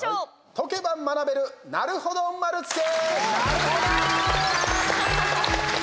解けば学べる、なるほど丸つけ。